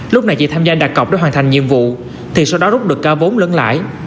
lúc này chị tham gia đặt cọc để hoàn thành nhiệm vụ thì sau đó rút được cao vốn lẫn lại